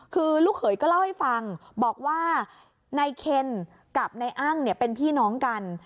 คือลูกเขยก็เล่าให้ฟังบอกว่านายเคนกับนายอ้างเนี่ยเป็นพี่น้องกัน